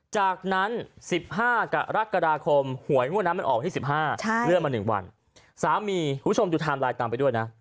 จากนั้น๑๕กรกฎาคมหวยทั้งหมดนั้นมันออกที่๑๕เลื่อนมา๑วัน